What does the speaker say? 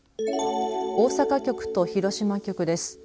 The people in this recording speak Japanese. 大阪局と広島局です。